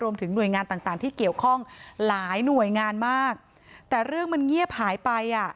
รวมถึงหน่วยงานต่างต่างที่เกี่ยวข้องหลายหน่วยงานมากแต่เรื่องมันเงียบหายไปอ่ะ